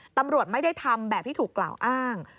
ตำรวจไม่ได้ทำแบบที่ถูกกล่าวอ้าง